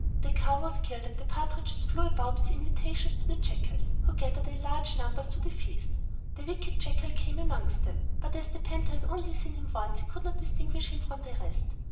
The cow was killed, and the partridges flew about with invitations to the jackals, who gathered in large numbers to the feast. The wicked jackal came amongst them; but as the panther had only seen him once he could not distinguish him from the rest.